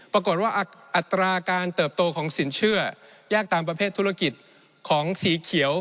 ปรากฏว่าอัตราการเติบโตของสินเชื่อยากตามประเภทธุรกิจของสีเขียว